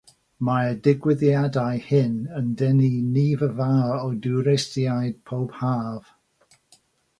Mae'r digwyddiadau hyn yn denu nifer fawr o dwristiaid pob haf.